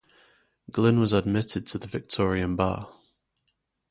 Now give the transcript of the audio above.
Glynn was admitted to the Victorian bar.